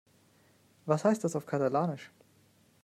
Was heißt das auf Katalanisch?